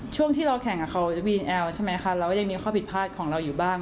ช่วงที่เราแข่งเขาจะวีนแอลใช่ไหมคะเราก็ยังมีข้อผิดพลาดของเราอยู่บ้าง